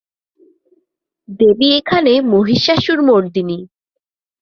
দেবী এখানে মহিষাসুরমর্দিনী।